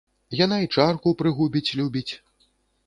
Яна і чарку прыгубіць любіць.